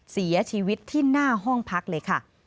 เสียชีวิตที่หน้าห้องพักเลยค่ะ